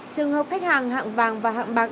trường hợp khách hàng hạng vàng và hạng bạc